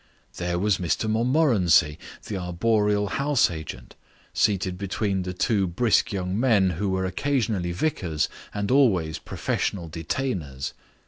There was Mr Montmorency, the Arboreal House Agent, seated between the two brisk young men who were occasionally vicars, and always Professional Detainers.